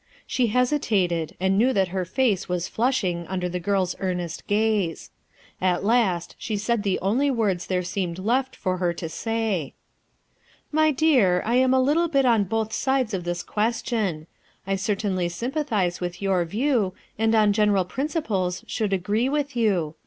She hesi tated, and knew that her face was flushing under PUZZLING QUESTIONS 2 07 the girl's earnest gaze. At last, fe «*I tho only words there seemed left for her to say "My dear, I am a little bit on both dfc, of thu question. I certainly sympathize with your view, and on general principles should agree With you.